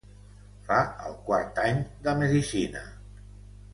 Fa el quart any de medicina.